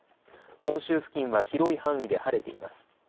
本州付近は広い範囲で晴れています。